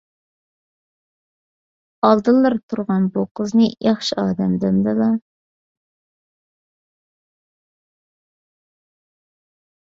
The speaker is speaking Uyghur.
ئالدىلىرىدا تۇرغان بۇ قىزنى ياخشى ئادەم دەمدىلا؟